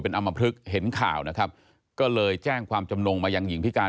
อำมพลึกเห็นข่าวนะครับก็เลยแจ้งความจำนงมายังหญิงพิการ